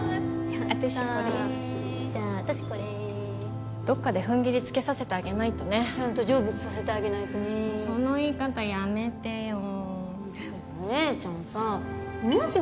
私これじゃあ私これどっかでふんぎりつけさせてあげないとねちゃんと成仏させてあげないとねその言い方やめてよでもお姉ちゃんさもし